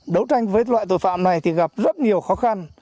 đấu tranh với loại tội phạm này thì gặp rất nhiều khó khăn